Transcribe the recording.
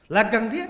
là cần thiết